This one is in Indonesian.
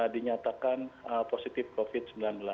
dinyatakan positif covid sembilan belas